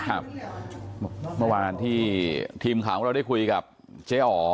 เมื่อวานที่ทีมข่าวของเราได้คุยกับเจ๊อ๋อ